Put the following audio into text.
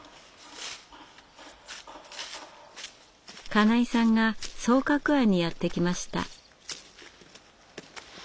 金井さんが双鶴庵にやって来ました。